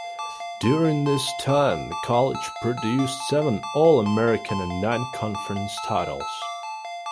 During this time the college produced seven All-Americans and nine conference titles.